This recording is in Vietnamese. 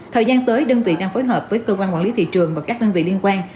thời gian tới đơn vị đang phối hợp với cơ quan quản lý thị trường và các đơn vị liên quan